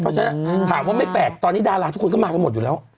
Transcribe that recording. เพราะฉะนั้นถามว่าไม่แปลกตอนนี้ดาราทุกคนก็มากันหมดอยู่แล้ว